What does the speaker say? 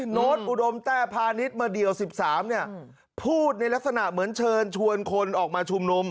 โน้ตอุดมแต้พาณิชย์มาเดี่ยว๑๓เนี่ยพูดในลักษณะเหมือนเชิญชวนคนออกมาชุมนุม